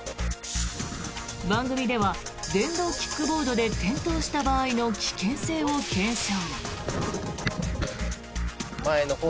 番組では、電動キックボードで転倒した場合の危険性を検証。